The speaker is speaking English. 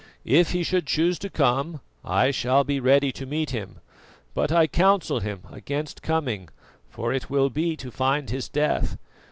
If he should choose to come, I shall be ready to meet him; but I counsel him against coming, for it will be to find his death.